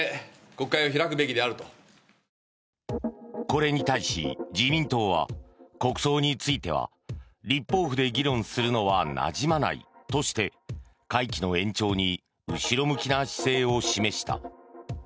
これに対し自民党は国葬については立法府で議論するのはなじまないとして会期の延長に後ろ向きな姿勢を示した。